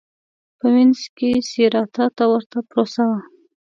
په وینز کې سېراتا ته ورته پروسه وه.